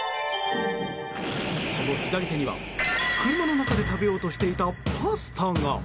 その左手には、車の中で食べようとしていたパスタが。